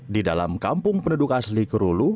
di dalam kampung penduduk asli kerulu